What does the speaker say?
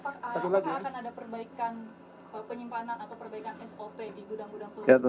apakah akan ada perbaikan penyimpanan atau perbaikan sop di gudang gudang peluru